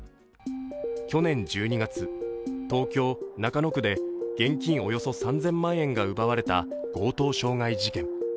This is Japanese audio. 去年１２月、東京・中野区で現金およそ３０００万円が奪われた強盗傷害事件。